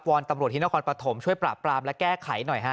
อนตำรวจที่นครปฐมช่วยปราบปรามและแก้ไขหน่อยฮะ